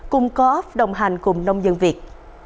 cùng coop đồng hành cùng nông dân việt